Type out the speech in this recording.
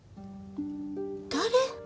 誰？